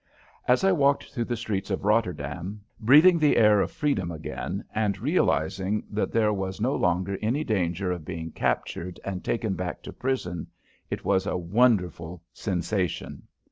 As I walked through the streets of Rotterdam, breathing the air of freedom again and realizing that there was no longer any danger of being captured and taken back to prison, it was a wonderful sensation.